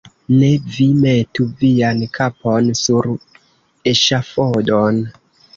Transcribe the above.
Ne vi metu vian kapon sur eŝafodon.